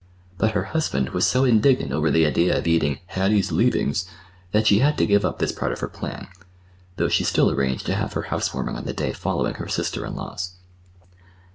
But her husband was so indignant over the idea of eating "Hattie's leavings" that she had to give up this part of her plan, though she still arranged to have her housewarming on the day following her sister in law's.